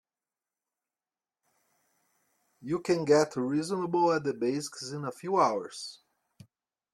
You can get reasonable at the basics in a few hours.